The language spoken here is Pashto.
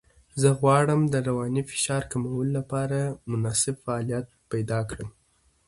زه غواړم د رواني فشار کمولو لپاره مناسب فعالیت پیدا کړم.